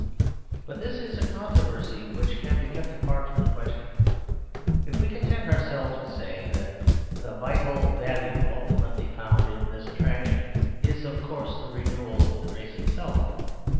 But this is a controversy which can be kept apart from the question, if we content ourselves with saying that the vital value ultimately found in this attraction is, of course, the renewal of the race itself.